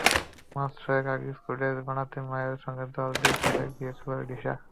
মাস ছয়েক আগে স্কুলের ড্রেস বানাতে মায়ের সঙ্গে দরজির কাছে গিয়েছিল রিসা।